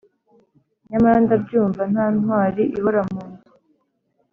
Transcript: nyamara ndabyumva nta ntwari ihora mu nzu